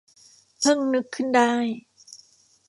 เพิ่งนึกขึ้นได้